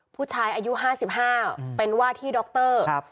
ผู้ชายอายุ๕๕เป็นว่าที่ด็อกเตอร์